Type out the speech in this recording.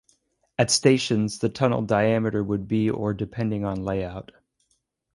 At stations, the tunnel diameter would be or depending on layout.